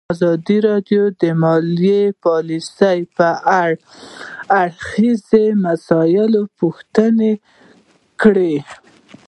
ازادي راډیو د مالي پالیسي په اړه د هر اړخیزو مسایلو پوښښ کړی.